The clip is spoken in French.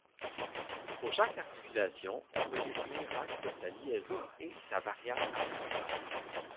Pour chaque articulation on peut définir l'axe de sa liaison et sa variable articulaire.